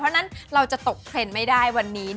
เพราะฉะนั้นเราจะตกเทรนด์ไม่ได้วันนี้